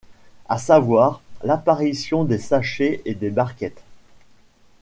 A savoir, l'apparition des sachets et des barquettes.